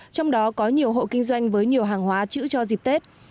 trong đó có nhiều hộ kinh doanh với nhiều hàng hóa chữ cho dịp tết